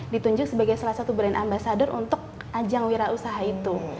ditunjuk sebagai salah satu brand ambasador untuk ajang wira usaha itu